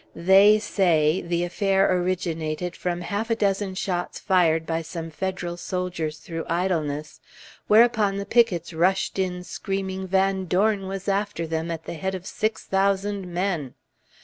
"They say" the affair originated from half a dozen shots fired by some Federal soldiers through idleness, whereupon the pickets rushed in screaming Van Dorn was after them at the head of six thousand men.